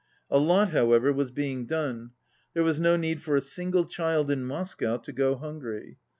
A lot, however, was being done. There was no need for a single child in Moscow to go hungry.